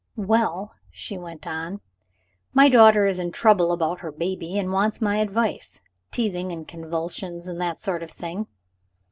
"Well," she went on, "my daughter is in trouble about her baby, and wants my advice. Teething, and convulsions, and that sort of thing.